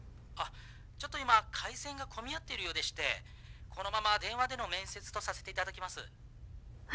あっちょっと今回線が混み合ってるようでしてこのまま電話での面接とさせていただきます。